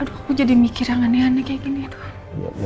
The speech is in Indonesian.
aduh aku jadi mikir yang aneh aneh kayak gini